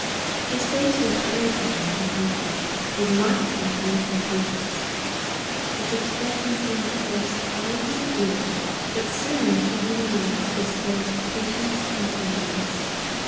His face was very brown and healthy, with marked and handsome features. Its expression seemed at first a little severe, but soon, to reading eyes, disclosed patience and tenderness.